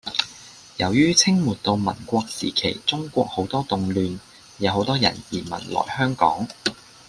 由於清末到民國時期中國好多動亂，有好多人移民來香港